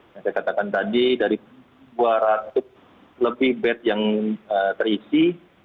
yang saya katakan tadi dari dua ratus lebih bed yang terisi